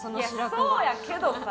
いやそうやけどさ。